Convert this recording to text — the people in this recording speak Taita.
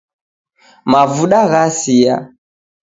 Mavuda ghasia